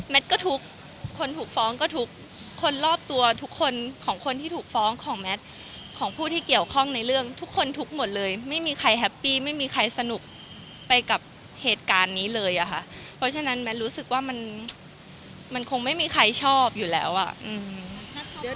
ก็ทุกคนถูกฟ้องก็ทุกคนรอบตัวทุกคนของคนที่ถูกฟ้องของแมทของผู้ที่เกี่ยวข้องในเรื่องทุกคนทุกข์หมดเลยไม่มีใครแฮปปี้ไม่มีใครสนุกไปกับเหตุการณ์นี้เลยอะค่ะเพราะฉะนั้นแมทรู้สึกว่ามันมันคงไม่มีใครชอบอยู่แล้วอ่ะอืม